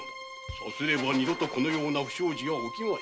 さすれば二度とこのような不祥事は起きまい。